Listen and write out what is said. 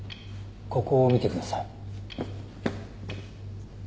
ここ見てください。